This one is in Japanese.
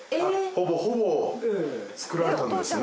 ほぼほぼ作られたんですね。